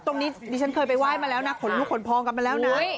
ตรงนี้นี่ฉันเคยไปไหว้มาแล้วนะขนลูกขนพองกลับมาแล้วนะ